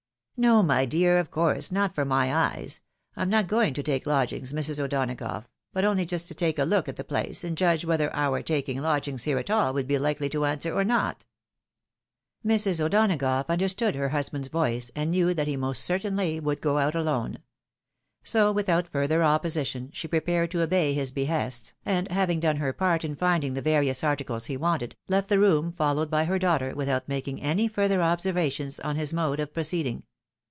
"" No, my dear, of course, not for my eyes ! I am not going to take lodgings, Mrs. O'Donagough, but only just to take a look CHANGE FEOM GAT TO GRAVE. 91 at the place, and judge whether our taking lodgings here at all would be likely to answer or not." Mrs. O'Donagough understood her husband's voice, and knew that he most certainly would go out alone. So, without further opposition, she prepared to obey his behests, and having done her part in finding the various articles he wanted, left the room followed by her daughter, without making any further observations on his mode of proceeding.